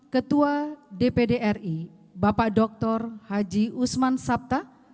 ketua dpd ri bapak dr haji usman sabta